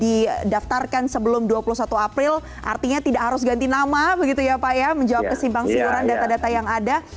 dari satu kata tapi di daftarkan sebelum dua puluh satu abril artinya tidak harus ganti nama begitu ya pak ya menjawab kesimpang siluran data data yang ada